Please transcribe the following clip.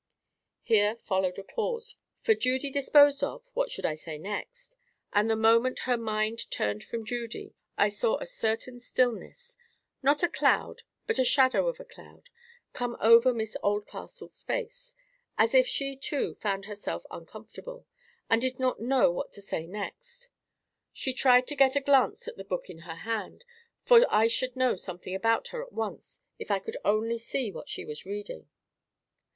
Here followed a pause, for, Judy disposed of, what should I say next? And the moment her mind turned from Judy, I saw a certain stillness—not a cloud, but the shadow of a cloud—come over Miss Oldcastle's face, as if she, too, found herself uncomfortable, and did not know what to say next. I tried to get a glance at the book in her hand, for I should know something about her at once if I could only see what she was reading.